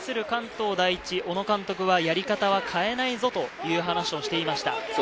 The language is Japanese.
関東第一・小野監督はやり方は変えないぞという話をしていました。